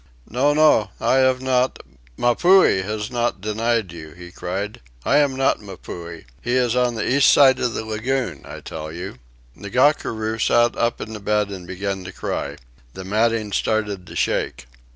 "No, no, I have not Mapuhi has not denied you," he cried. "I am not Mapuhi. He is on the east end of the lagoon, I tell you." Ngakura sat up in bed and began to cry. The matting started to shake.